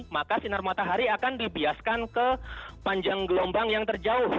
maka sinar matahari akan dibiaskan ke panjang gelombang yang terjauh